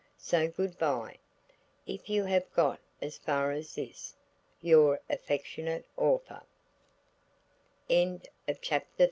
So goodbye, if you have got as far as this. Your affectionate author, OSWALD BASTABLE.